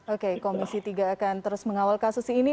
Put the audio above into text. oke komisi tiga akan terus mengawal kasus ini